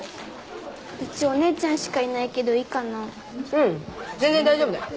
うん全然大丈夫だよ。